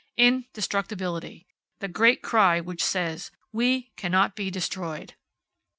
Indestructibility. The great cry which says, `We cannot be destroyed!'"